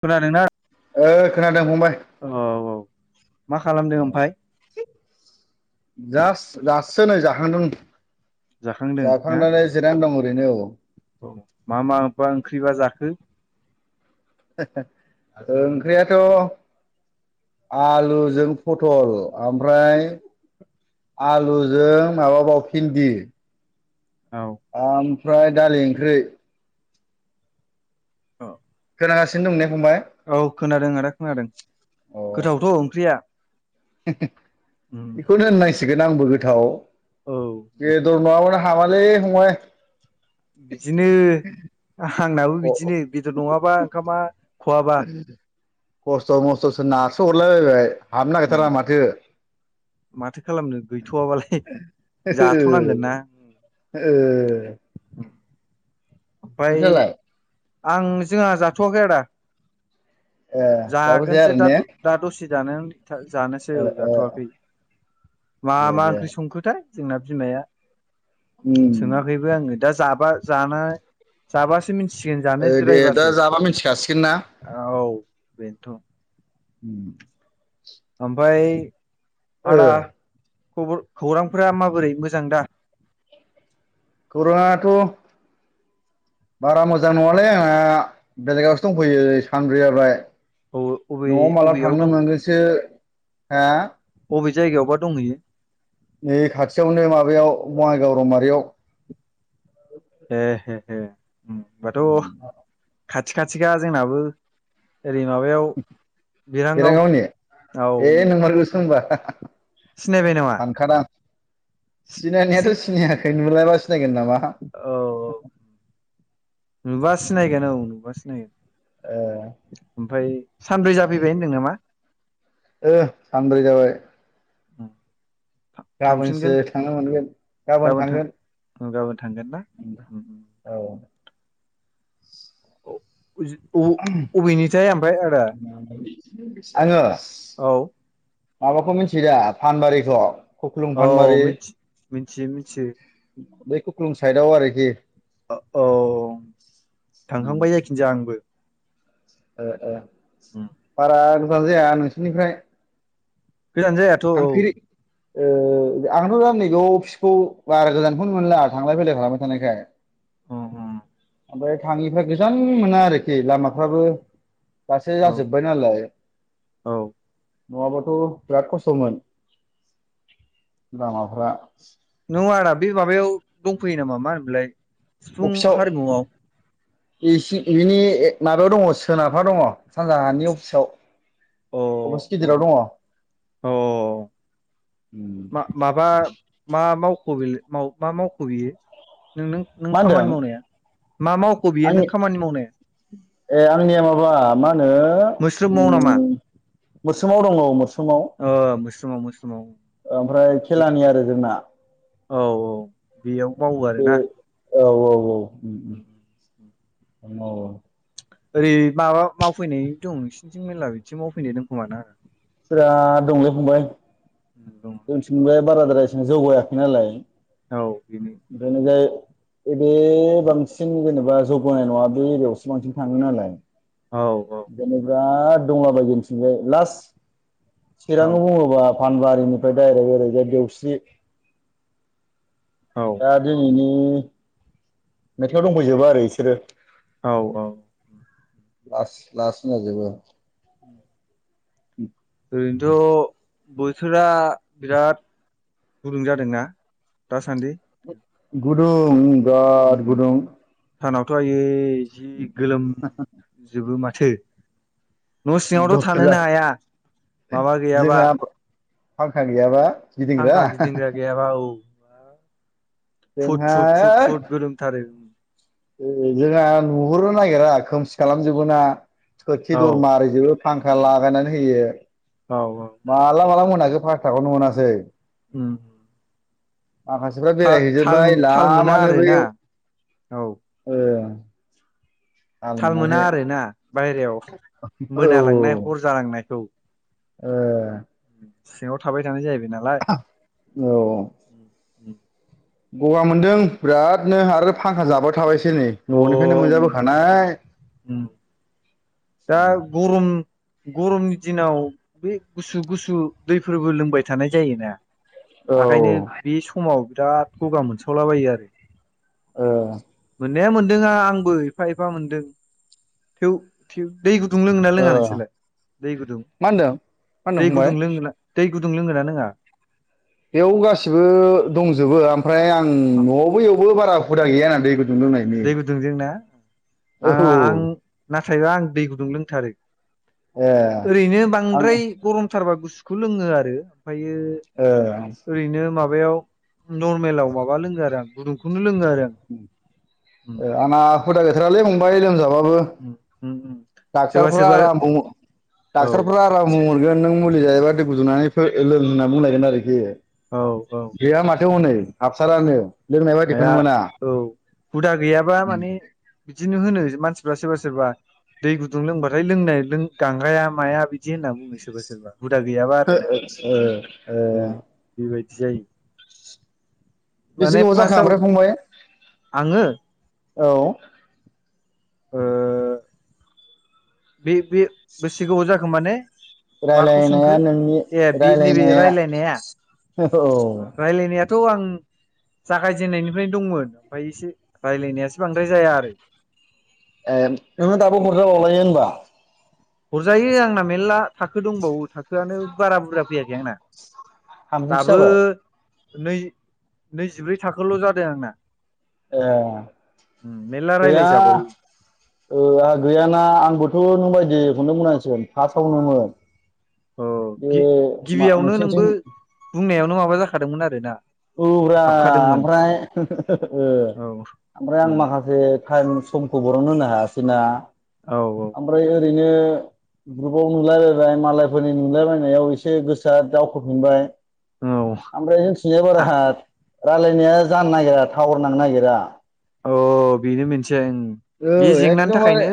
खोनादोंना ओ खोनादों फंबाय औ औ मा खालामदों ओमफाय जास दासो नै जाखांदों। जाखांदों ना जाखांनानै जिरनानै दं ओरैनो औ औ मा मा ओंख्रिबा जाखो? ओंख्रियाथ आलुजों पथल ओमफ्राय आलुजों माबाबाव भिन्दि औ ओमफ्राय दालि ओंख्रि औ जागासिनो दं। फंबाय औ खोनादों आदा खोनादों अ गोथावथ ओंख्रिया उम बेखौनो होननांसिगोन आंबो गोथाव औ जे धरमाबा हामालै फंबाय बिदिनो आंनाबो बिदिनो खस्थ' बेदर नङाबा ओंखामा खहाबा खस्थ‌ मस्थसो नारसो हरला बायबाय हाबनो उम नागिरथारा माथो माथो खालामनो गैथवाबालाय ओ जाथनांगोनना ओ ओमफ्राय नोंस्रालाय आं जोंहा जाथवाखै आदा ए दाबो जाया जागोसो आरो ने दा दसे जानोसै ओ औ ओ जाथवाखै मा दे मा दे ओंख्रि संखोथाय जोंना बिमाया उम सोङाखैबो आङो दा जाबा जानो जाबासो मिथि सिगोन ओ दे दा जानोसिरायबासो जाबा मिथिखासिगोन ना? औ बेनोथ उम ओमफाय ओ आदा खौरांफोरा माबोरै मोजां दा? खौरांआथ बारा मोजां नङालै आंना बेलेगावसो दंफैयो सानब्रै जाबाय अबे नआव माला अबेयाव थांनो दं मोनगोनसो ह बबे जायगायावबा दंहैयो? बे खाथियावनो माबायाव बङाइगाव रमारियाव हे हे हे उम होनबाथ' खाथि खाथिखा जोंनाबो ओरै माबायाव बिरांगाव बेिरांग गावनि औ ए नंमारगौसो होनबा सिनायबाय नामा सानखादां सिनायनायाथ सिन सिनायाखै नुयाबा औ नुबा सिनायगोन औ नुबा सिनायगोन ओ ओमफफ्राय सानब्रै जाफैबाय होनदों नामा? ओ सानब्रै जाबाय औ गाबोनसो थांनो मोनगोन गाबोन थांगोन। गाबोन थांगोन ना? औ अबेनिथाय ओमफ्राय आदा आङो औ माबाखौ मिथि दा फानबारिखौ खुख्लुं औ फानबारि मिथि मिथि मिथियो। बै कुख्लुं साइदाव आरोखि औ थांखांबाय जायाखिनोजाया आंबो ओ ओ उम बारा गोजान जाया नोंसिनिफ्राय गोजानो जायाथ‌ औ ओ आंथ दा नैबाव फिसखौ बारा गोजानखौनो मोनला थांलाय फैलाय खालामबाय थानायखाय अ ह ओमफ्राय थाङिफ्रा गोजान मोना आरोखि लामाफ्राबो दासो औ जाजोब्बाय नालाय औ नङाबाथ बिराद खस्थ खस्थमोन लामाफ्रा नङा आदा बे माबायाव दंफैयो नामा मा होनोमोनलाय सिफुं हारिमुआव इसि इनि ए माबायाव दङ'सोनाबहा दङ' सानजाहानि अफिसाव अ अबस अ गिदिराव दङ' अ मा माबा मा मावखो बिलाय मा मावखो बियो? नों नों नों मा होनदों खामानि मावनाया मा मावख' बियो नों आंनि खामानि मावनाया ए आंनिया माबा मा होनो मोस्रोम माव नामा ओम मोसोमाव दङ' मोसोमाव ओ मोस्रोमाव मोस्रोमाव ओमफ्राय बे खेलानि आरो जोंना औ औ बेयाव मावो आरो बे ना औ औ औ ओम ओम मावो ओरै माबा मावफैनाय दं नोंसिनिथिं मेरला बिदिथिं मावफैनाय दं खोमा ना फोरा दंलै फंबाय दङ जोंथिंबो बाराद्राय जहां जौगायाखै नालाय औ बेनो ओंखायनो जाय बे बांसिन जेनेबा जौगानाय नङा बे एरियायावसो बांसिन थाङो नालाय औ औ दोनै बिराद [unintelligible] बियाव लास्ट औ चिराङाव मावोबा फानबारिनिफ्राय डायरेक्ट ओरैजाय देवसि औ दा दिनैनि मेथाइयाव दंफैजोबो आरो बिसोरो औ औ लास लास होनजोबो ओरैन्थ' बोथोरा बिराद गुदुं जादोंना दासान्दि? गुदुं बिराद उम गुदुं सानावथ' आयै जि गोलोमजोबो माथो न' सिङावथ' दरजा थानोनो हाया माबा गैयाबा जोंहा फांखा गैयाबा गिदिंग्रा फांखा गिदिंग्रा [unintelligible] गैयाबा औ फुट जोंहा फुट फुट फुट गोरोम थारो ए जोंहा नुहुरनो नागिरा खोमसि खालामजोबो ना खोरखि औ दर मारिजोबो। फांखा लागायनानै होयो औ औ माला माला मोनाखो फाथथाखौनो मोनासै ओम माखासेफ्रा बेरायहैजोबबाय मोना लामानो आरोना बैयाव औ ओं थाल मोना आरोना बायेरायाव मोनालांनाय हर जालांनायखौ ओ सिङाव थाबाय थानाय जाहैबाय नालाय [unintelligible] औ गगा मोनदों बिरादनो आरो फांखा अ जाबाय थाबायसै नै न'निफायनो उम मोनजाबोखानाय उम दा गरम गरमनि दिनाव बे गुसु गुसु दैफोरबो लोंबाय थानाय जायोना औ आखायनो बि समाव बिराद गगा मोनसावलाबायो आरो ओ नाया मोनदों आंबो एफा एफा मोनदों थेव थेव दै गुदुं लोङोना लोङा ओ नोंसोरलाय दै गुदुं मा होनदों मा होनदों दै फंबाय गुदुं लोङोना दै गुदुं लोंगोना लोङा? बेयाव गासिबो दंजोबो आमफ्राय आं न'आवबो इयावबो बारा हुदा गैया ना दै गुदुं जोंना औ आङा आं नाथायबा आं दै गुदुं लोंथारो ए ओरैनो आं बांद्राय गरमथारबा गुसुखौ लोङो आरो ओमफायो ओ ओरैनो माबायाव नरमेलाव माबा लोंङो आरो आं गुदुंखौनो लोङो आरो उम ए आंना हुदा गैथारालै फंबाय लोमजाबाबो उम उम उम सोरबा डाक्टारफ्रा सोरबा आराम बुं औ डाक्टारफ्रा आराम बुंहरगोन नों मुलि जायोबा दै गुदुनानै फो लों होननानै बुंलायगोन आरोखि औ औ गैया माथ थो हनै हाबथारानो लोंनाय बायदिखौनो हाया मोना औ हुदा गैयाबा माने बिदिनो होनो मानसि फोरा सोरबा सोरबा दै गुदुं लोंबाथाय लोंनाय लों गांगाया माया बिदि होनना बुङो सोरबा सोरबा हुदा गैयाबा ओ आरोना ओ बेबायदि जायो बेसे माने गोबाव जाखो फार्स्टाव ओमफ्राय फंबाय आङो औ ओ बे बे बेसे गोबाव जाखो माने माखौ सोंखो रायलायनाया नोंनि ए बे नैबे रायलायनाया रायलायनाया औ थ' आं जागायजेननायनिफ्रायनो दंमोन ओमफ्राय एसे रायलायनायासो बांद्राय जाया आरो ए नोंना दाबो हरजाबावलायो ओमबा हरजायो आंना मेरला थाखो दंबावो थाखोआनो बारा बुरजा फैयाखै आंना दाबो [unintelligible] नै नैजिब्रै थाखोल' जादों आंना ए मेरला गैया रायलायजाबावो ओ आंहा गैयाना आंबोथ' नों बायदि खौनो बुंनांसिगोन फासावनोमोन ओ गि गिबियावनो नोंसिनिथिं नोंबो बुंनायावनो माबा जाखादोंमोन आरोना औब्रा हाबखादोंमोन आमफ्राय ओ औ आमफ्राय आं औ माखासे टाइम समखौ बरननो होनो हायासैना ओमफ्राय ओरै नो ग्रुपआव नुलायबायबाय मालायफोरनि नुलाबायनायाव एसे गोसोआ दावखोफिनबाय औ आमफ्राय जोंथिंजाय बारा रायलायनाया जानो नागिरा टावार नांनो नागिरा अ बेनो मोनसे ओं ओ बे जेंनानि एकदमबारे थाखायनो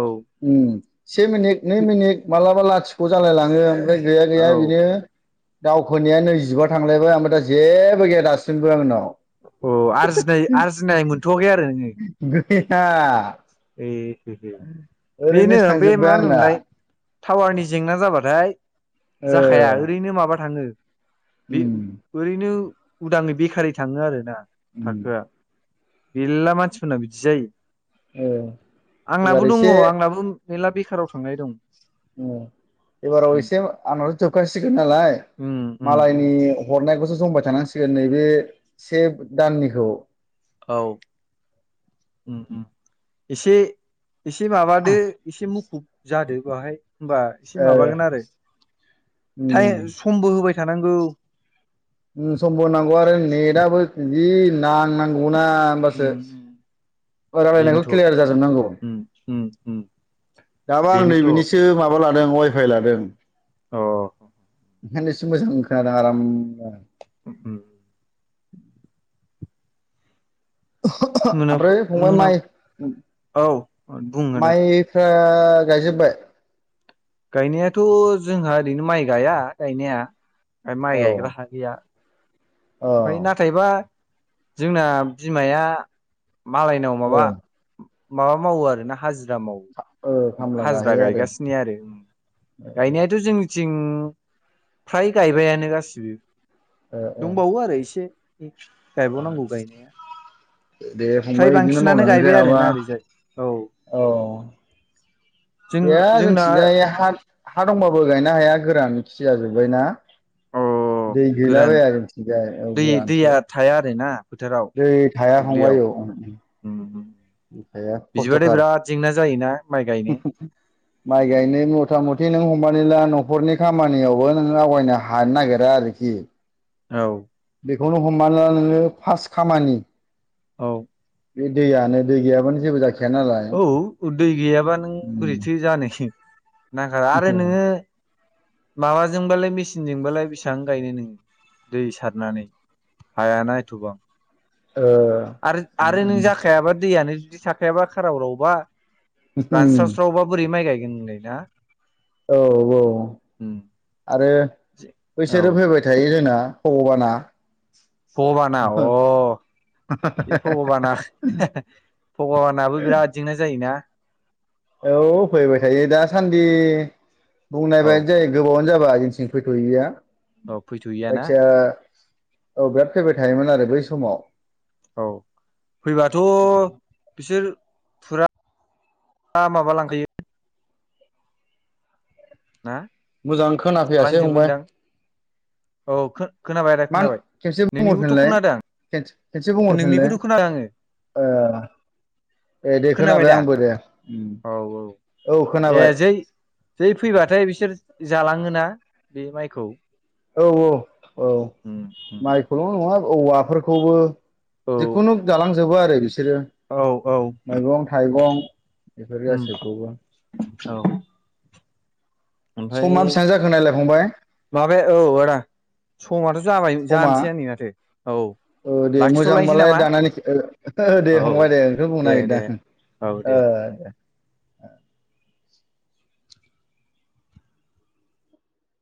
औ उम से मिनिट नै मिनिट मालाबा लाथिख' जालायलाङो ओमफ्राय गैया गैया औ बिनो दावखोनाया नैजिबा थांलायबाय ओफ्राय दा जेबो गैया दासिमबो आंनाव अ आरजिनाय आरजिनाय मोनथ'वाखै आरो नोङो [unintelligible] ए हे हे बेनो ओरैनोसो बे मा थांजोब्बाय आंना होनोमोनलाय टावारनि जेंना जाबाथाय ओ जाखाया ओरैनो माबा थाङो बे उम ओरैनो उदाङै बेखारै थाङो आरोना उम थाखोआ मेरला मानसिफोरना बिदि जायो ओ एबार आंनाबो दङ एसे आंनाबो मेरला बेखाराव थांनाय दं ए एबाराव उम एसे आंनाथ' जोबखासिगोन नालाय उम उम मालायनि हरनायखौसो जमबाय थानांसिगोन नैबे से दाननिखौ औ उम उम एसे एसे माबादो एसे मुखुब जादो बाहाय होमबा एसे ओ माबागोन आरो टाइ उम समबो होबाय थानांगौ उम समबो होनांगौ आरो नेटआबो जि नांनांगौना होमबासो उम उम रायलायनायखौ बेनोथ' क्लियार जाजोबनांगौ उम उम उम दाबो आं नैे बेनोथ' बिनिसो माबा माबा लादों वाइ फाइ लादों अ ओंखायनोसो मोजां खोनादों आरामनो [unintelligible] मोनाफ्राव ओमफ्राय फंबाइ मोना माइ औ बुं आदा माइफ्रा गायजोबबाय गायनायाथ' जोंहा ओरैनो माइ गाया गायनाया माइ औ गायग्रा हा गैया औ ओमफ्राय नाथायबा जोंना बिमाया मालायनाव औ माबा माबा मावो आरो ना हाजिरा ओ खामला हाजिरा गाहैयो आरो गायगासिनो आरो गायनायाथ' जों थिं फ्राय गायबायानो गासिबो ओ ओ दंबावो आरो एसे गायबावनांगौ गायनाया दे फ्राय फंबाय बिदिनो बांसिनानो मावनानै गायबाय जायाबा आरोना ओरैजाय औ औ जों गैया जोंना जोंनिथिंजाय हाल हा दंबाबो गायनो हाया गोरान जाजोब्बाय ना अ दै गैला गोरान बाया जोंनिथिंजाय दै गोरानसो दैया थाया आरोना फोथाराव जै थाया दुब्लियाव फंबाय औ दै थाया बिदिबाथाय खस्थ'थार बिराद जेंना जायोना माइ गायनो माइ गायनो मथा मथि नों हमनानै ला न'खरनि खामानियावबो नोङो आवगायनो हानो नागिरा आरोखि औ बेखौनो हमाना ला नोङो फार्स्ट खामानि औ बे दैयानो दै गैयाबानो जेबो जाखा औ दै गैयाबा नों बोरैथो जानो ना आरो आरो नोङो माबाजोंबालाय मेचिनजोंबालाय बिसां गायनो नोङो दै सारनानै हायाना एथबां आरो आरो नों जाखायाबा दैयानो जुदि थाखायाबा खाराव राव बा रानस्राव स्रावबा बोरै माइ गायगोन नोंलाय ना औ औ आरो औ बैसोरो फैबाय थायो जोंना फगबाना फगबाना अह बे भगबाना भगबानाबो बिराद जेंना जायोना औ फैबाय थायो दासान्दि बुंनाय औ बादि जायो गोबावानो जाबाय जोंनिथिं फैथ'यिया अ फैथ'यैया ना औ बिराद फैबाय थायोमोन आरो बै समाव औ फैबाथ' बिसोर फुरा मा माबा लांखायो ना मोजां खोनाफैयासै फंबाय जालांजोबोनदां औ खोनाबाय आदा मा खोनाबाय खेबसे नोंनि खौथु बुंहरफिनलाय खोनादों आं खेनसे बुंहरफिनलाय नोंनिखौथ' खोनादों आङो ए दे खोनाबाय दा आंबो दे औ औ औ ए खोनाबाय जै जै फैबाथाय बिसोर जालाङोना बे माइखौ औ औ औ माइखौल' नङा औवाफोरखौबो औ जिखुनु जालांजोबो आरो बिसोर बिसोरो औ औ मैगं थाइगं बेफोर गासैखौबो औ ओमफाय समा बेसेबां जाखो नायलाय फंबाय माबाया औ आदा समाथ' जाबाय जानोसै आ नै माथो औ औ दे लाखिथ'लायनोसै मोजांबालाय नामा दानानै दे औ फंबाय दे बेखौ बुंनो दे दे नागिरदां औ दे औ